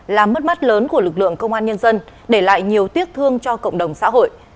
là mất mắt lớn của lực lượng công an nhân dân để lại nhiều tiếc thương cho cộng đồng xã hội